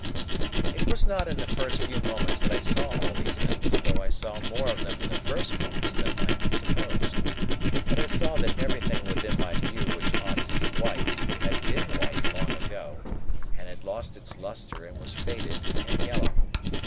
It was not in the first few moments that I saw all these things, though I saw more of them in the first moments than might be supposed. But I saw that everything within my view which ought to be white, had been white long ago, and had lost its lustre and was faded and yellow.